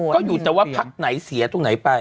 ก็อยู่แต่ว่าพักไหนเสียตรงไหนไป